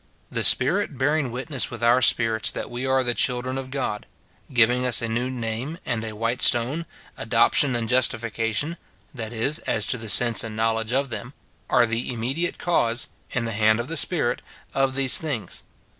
" The Spirit bearing witness with our spirits that we are the children of God," giving us a new name and a white stone, adoption and justifica tion, — that is, as to the sense and knowledge of them, —• are the immediate cause (in the hand of the Spirit) of these things.